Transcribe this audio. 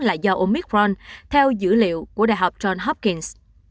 là do omicron theo dữ liệu của đại học johns hopkins